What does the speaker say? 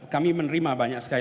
kami menerima banyak sekali